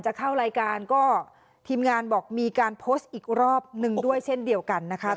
เข้ารายการก็ทีมงานบอกมีการโพสต์อีกรอบหนึ่งด้วยเช่นเดียวกันนะคะ